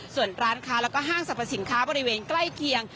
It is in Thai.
ส่วนร้านค้าแล้วก็ห้างสรรพสินค้าบริเวณใกล้เคียง